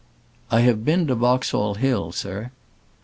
"I have been to Boxall Hill, sir."